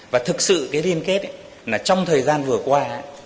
và thực sự cái liên kết trong thời gian vừa qua